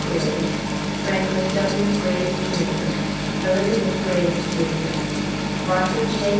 Graves, Franklin W. Graves, Jr., Elizabeth Graves, Jr., Martha J.